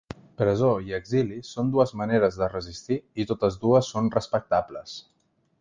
Presó i exili són dues maneres de resistir i totes dues són respectables.